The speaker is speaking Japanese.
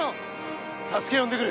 助けよんでくる！